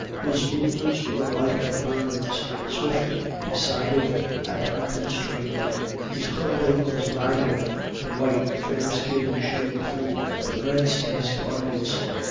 His movements were like a bird's swift, decided, and unconstrained; his clothing was ragged; the white, fair skin showed through the rents in his garments.